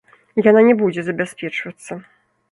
Яна не будзе забяспечвацца.